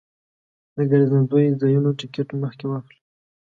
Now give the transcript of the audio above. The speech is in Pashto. د ګرځندوی ځایونو ټکټ مخکې واخله.